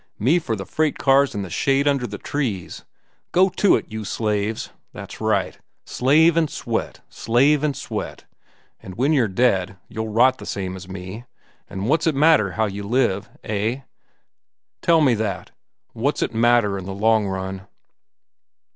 Me for the freight cars an' the shade under the trees. Go to it, you slaves! That's right. Slave an' sweat! Slave an' sweat! An' when you're dead, you'll rot the same as me, an' what's it matter how you live?—eh? Tell me that—what's it matter in the long run?"